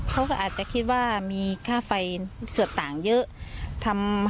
เขาก็อาจจะคิดว่ามีค่าไฟส่วนต่างเยอะ